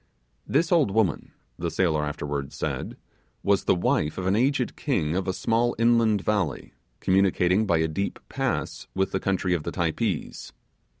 This old woman, the sailor afterwards said, was the wife of an aged king of a small island valley, communicating by a deep pass with the country of the Typees.